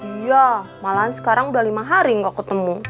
iya malahan sekarang udah lima hari nggak ketemu